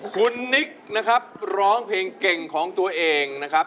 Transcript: คุณนิกนะครับร้องเพลงเก่งของตัวเองนะครับ